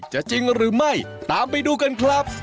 จริงหรือไม่ตามไปดูกันครับ